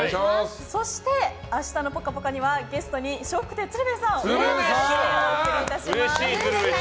そして、明日の「ぽかぽか」にはゲストに笑福亭鶴瓶さんをお迎えして、お送りいたします。